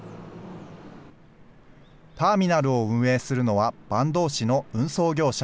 ターミナルを運営するのは坂東市の運送業者。